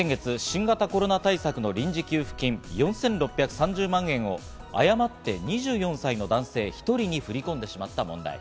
山口県阿武町が先月、新型コロナ対策の臨時給付金、４６３０万円を誤って２４歳の男性１人に振り込んでしまった問題。